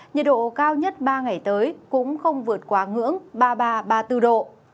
nhiệt độ cao nhất ba ngày tới cũng không vượt quá ngưỡng ba mươi ba ba mươi bốn độ